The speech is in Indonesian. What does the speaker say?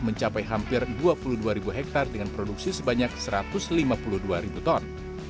mencapai hampir dua puluh dua ribu hektare dengan produksi sebanyak satu ratus lima puluh dua ribu ton